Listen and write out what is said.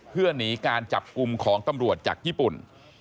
เพื่อหนีการจับกลุ่มของตำรวจจากญี่ปุ่น